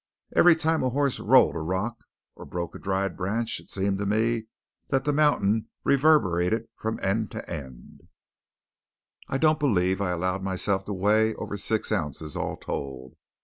Every time a horse rolled a rock or broke a dried branch it seemed to me that the mountains reverberated from end to end. I don't believe I allowed myself to weigh over six ounces all told.